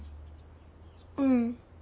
うん。